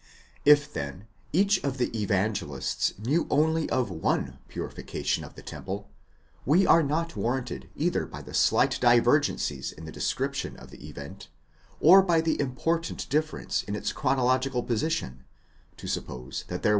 If then each of the Evangelists knew only of one purification of the temple, we are not warranted either by the slight divergencies in the description of the event, or by the important difference in its chronological position, to suppose that there were { Paulus and Tholuck, in loc.